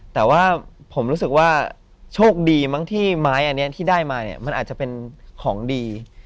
แต่ว่าผมรู้สึกว่าโชคดีมั้งที่ไม้อันนี้ที่ได้มาเนี่ยมันอาจจะเป็นของดี